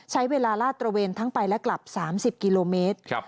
ใช้เวลาลาดตระเวนทั้งไปและกลับ๓๐กิโลเมตร